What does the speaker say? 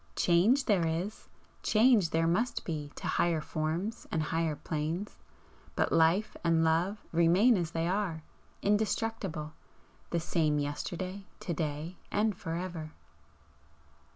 Change there is, change there must be to higher forms and higher planes, but Life and Love remain as they are, indestructible 'the same yesterday, to day, and for ever!'"